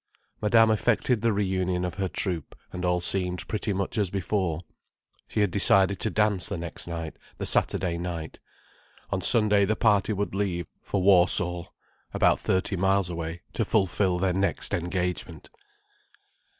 Madame effected the reunion of her troupe, and all seemed pretty much as before. She had decided to dance the next night, the Saturday night. On Sunday the party would leave for Warsall, about thirty miles away, to fulfil their next engagement.